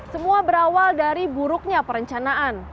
semua berawal dari buruknya perencanaan